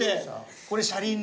これ車輪で。